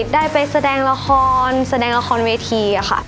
ได้ไปแสดงละครแสดงละครเวทีค่ะ